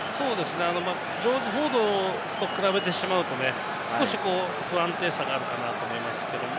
ジョージ・フォードと比べてしまうと少し不安定さがあるなと思いますけれど。